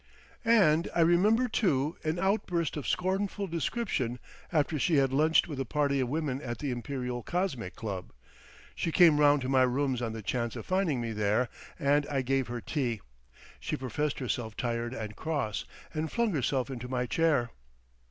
And I remember, too, an outburst of scornful description after she had lunched with a party of women at the Imperial Cosmic Club. She came round to my rooms on the chance of finding me there, and I gave her tea. She professed herself tired and cross, and flung herself into my chair....